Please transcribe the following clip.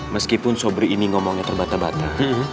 meskipun sobri ini ngomongnya terbata bata